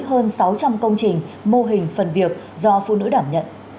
hơn sáu trăm linh công trình mô hình phần việc do phụ nữ đảm nhận